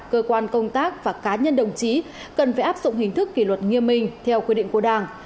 cơ quan công tác và cá nhân đồng chí cần phải áp dụng hình thức kỷ luật nghiêm minh theo quy định của đảng